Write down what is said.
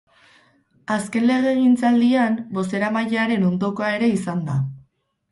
Azken legegintzaldian bozeramailearen ondokoa ere izan da.